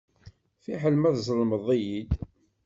Fiḥel ma tzellmeḍ-iyi-d.